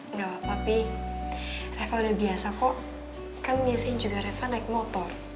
enggak papa pih reva udah biasa kok kan biasain juga reva naik motor